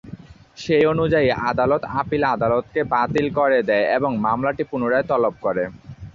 সেই অনুযায়ী আদালত আপিল আদালতকে বাতিল করে দেয় এবং মামলাটি পুনরায় তলব করে।